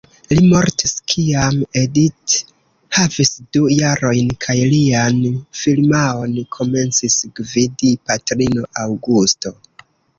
Li mortis kiam Edith havis du jarojn kaj lian firmaon komencis gvidi patrino, Augusto.